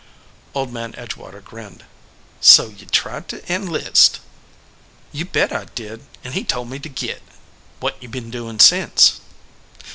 Old Man Edgewater grinned. "So ye tried to enlist." "You bet I did, and he told me to git." "What ye been doing since